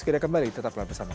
kami kembali tetaplah bersama sama